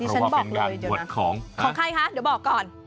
นี่ฉันบอกเลยเดี๋ยวนะของใครคะเดี๋ยวบอกก่อน